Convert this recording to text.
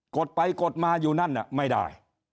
ดไปกดมาอยู่นั่นไม่ได้